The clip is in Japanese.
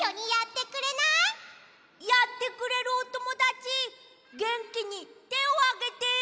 やってくれるおともだちげんきにてをあげて！